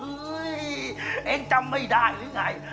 เฮ่ยเอ็งจำไม่ได้หรือไง